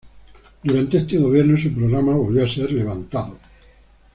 Durante este gobierno su programa volvió a ser levantado.